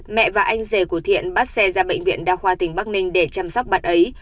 mẹ và anh rể của thiện bắt xe ra bệnh viện đa khoa tỉnh bắc ninh để chăm sóc bạn ấy